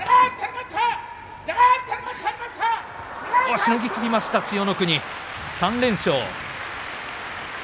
しのぎきりました千代の国、３連勝。